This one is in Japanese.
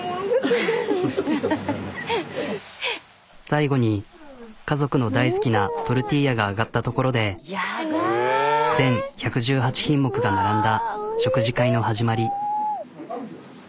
最後に家族の大好きなトルティーヤが揚がったところで全１１８品目が並んだ食事会の始まり。